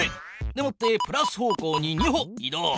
でもってプラス方向に２歩い動。